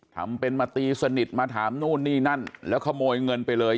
ทำเป็นมาตีสนิทมาถามนู่นนี่นั่นแล้วขโมยเงินไปเลย